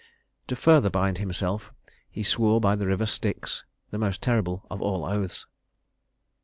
To further bind himself, he swore by the river Styx the most terrible of all oaths.